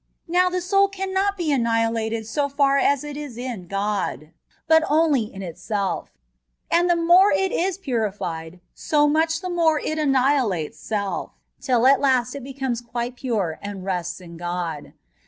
Now the soul cannot be anni hilated so far as it is in God, but only in itself; and the more it is purifìed, so much the more it annihilates self, till at last it becomes quite pure and rests in God.